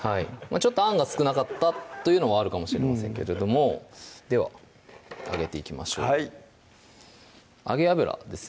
ちょっとあんが少なかったというのはあるかもしれませんがでは揚げていきましょう揚げ油ですね